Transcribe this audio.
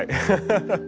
ハハハハッ。